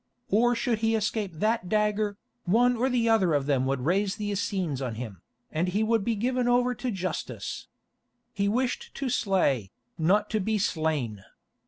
Or should he escape that dagger, one or other of them would raise the Essenes on him, and he would be given over to justice. He wished to slay, not to be slain.